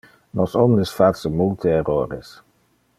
Nos omnes face multe errores.